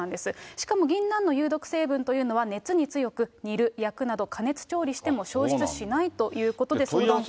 しかもぎんなんの有毒成分というのは、熱に強く、煮る、焼くなど、加熱調理しても消失しないということで。